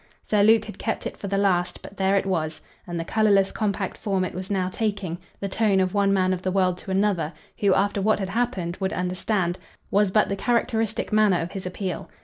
Sir Luke had kept it for the last, but there it was, and the colourless compact form it was now taking the tone of one man of the world to another, who, after what had happened, would understand was but the characteristic manner of his appeal.